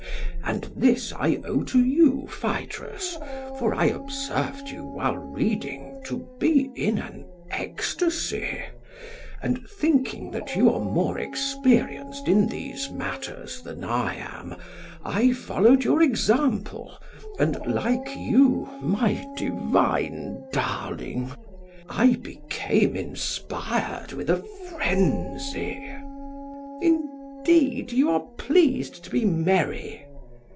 And this I owe to you, Phaedrus, for I observed you while reading to be in an ecstasy, and thinking that you are more experienced in these matters than I am, I followed your example, and, like you, my divine darling, I became inspired with a phrenzy. PHAEDRUS: Indeed, you are pleased to be merry.